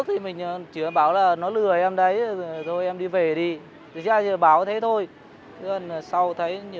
em chuẩn bị đi học toán